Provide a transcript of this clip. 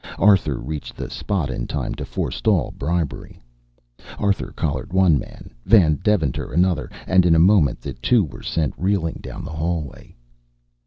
Arthur reached the spot in time to forestall bribery. Arthur collared one man, Van Deventer another, and in a moment the two were sent reeling down the hallway.